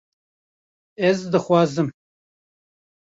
Ez dixwazim